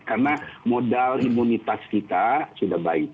karena modal imunitas kita sudah baik